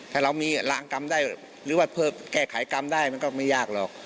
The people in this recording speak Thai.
ถ้าเรามีรางกรรมได้หรือว่าเพิ่มแก้ไขกรรมได้มันก็ไม่ยากหรอก